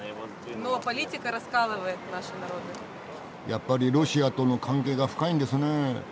やっぱりロシアとの関係が深いんですねぇ。